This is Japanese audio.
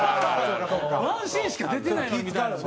ワンシーンしか出てないのにみたいな。